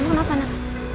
kamu kenapa nak